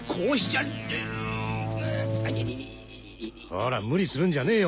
ほら無理するんじゃねえよ